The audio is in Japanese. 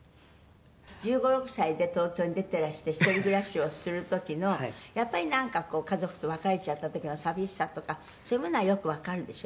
「１５１６歳で東京に出てらして一人暮らしをする時のやっぱりなんかこう家族と別れちゃった時の寂しさとかそういうものはよくわかるでしょ？